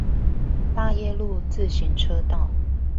大業路自行車道